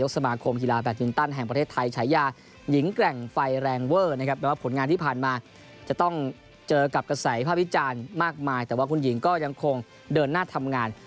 ใส่ภาพิจารณ์มากมายแต่ว่าคุณหญิงก็ยังคงเดินหน้าทำงาน